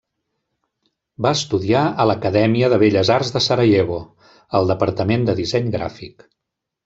Va estudiar a l'Acadèmia de Belles Arts de Sarajevo, al Departament de Disseny Gràfic.